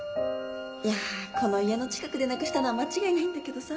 いやこの家の近くでなくしたのは間違いないんだけどさ